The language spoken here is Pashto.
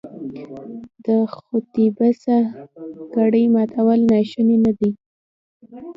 د خبیثه کړۍ ماتول ناشوني نه دي.